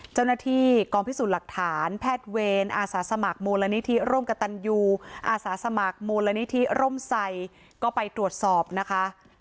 เจ้าหน้าที่กองพิสูจน์หลักฐานแพทย์เวรอาสาสมัครมูลนิธิร่มกับตันยูอาสาสมัครมูลนิธิร่มไซก็ไปตรวจสอบนะคะ